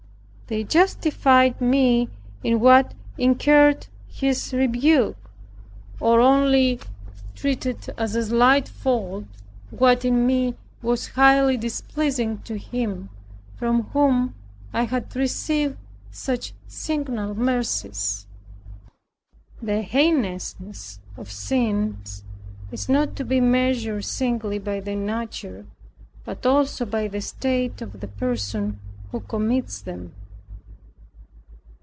They justified me in what incurred His rebuke, or only treated as a slight fault what in me was highly displeasing to Him, from whom I had received such signal mercies. The heinousness of sins is not to be measured singly by their nature, but also by the state of the person who commits them.